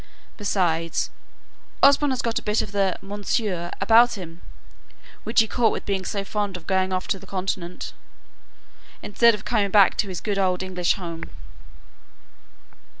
Besides, Osborne has got a bit of the mounseer about him, which he caught with being so fond of going off to the Continent, instead of coming back to his good old English home."